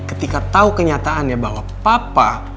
ketika tahu kenyataannya bahwa papa